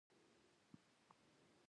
شوروي اتحاد بل مثال دی چې په کال او کې وو.